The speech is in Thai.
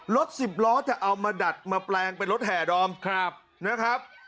รถสิบล้อจะเอามาดัดมาแปลงเป็นรถแห่ดอมนะครับ